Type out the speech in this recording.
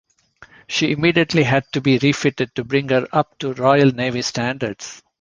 She immediately had to be refitted to bring her up to Royal Navy standards.